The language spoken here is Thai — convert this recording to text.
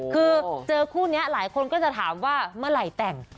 คือเจอคู่นี้หลายคนก็จะถามว่าเมื่อไหร่แต่ง